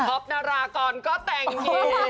ท็อปนารากรก็แต่งหญิง